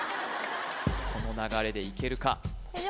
この流れでいけるか？